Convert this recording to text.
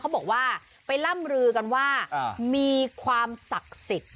เขาบอกว่าไปร่ำลือกันว่ามีความศักดิ์สิทธิ์